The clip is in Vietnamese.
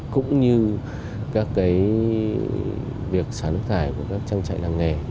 cũng như các việc xả nước thải của các trang trại làm nghề